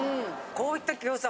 こういった餃子